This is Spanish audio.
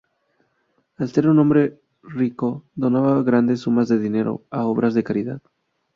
Al ser un hombre rico, donaba grandes sumas de dinero a obras de caridad.